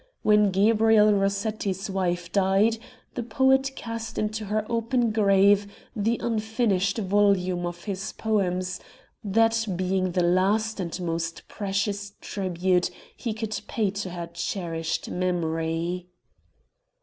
When Gabriel Rossetti's wife died, the poet cast into her open grave the unfinished volume of his poems, that being the last and most precious tribute he could pay to her cherished memory.